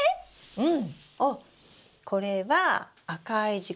うん。